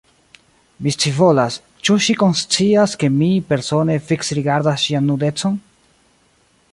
Mi scivolas: ĉu ŝi konscias, ke mi, persone, fiksrigardas ŝian nudecon?